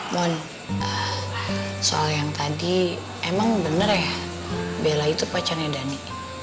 mohon soal yang tadi emang bener ya bella itu pacarnya dhani